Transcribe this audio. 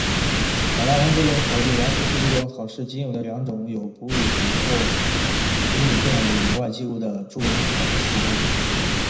马来王猪笼草与莱佛士猪笼草是仅有的两种有捕获哺乳动物野外记录的猪笼草属物种。